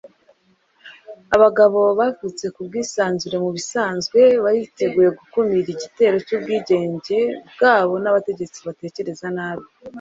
abagabo bavutse kubwisanzure mubisanzwe bariteguye gukumira igitero cyubwigenge bwabo nabategetsi batekereza nabi